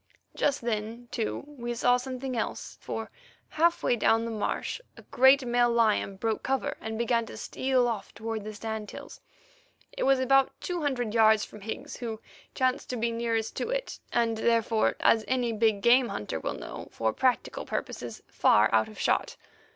Just then, too, we saw something else, for half way down the marsh a great male lion broke cover, and began to steal off toward the sand hills. It was about two hundred yards from Higgs, who chanced to be nearest to it, and, therefore, as any big game hunter will know, for practical purposes, far out of shot.